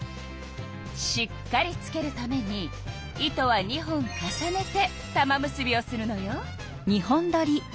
しっかりつけるために糸は２本重ねて玉結びをするのよ。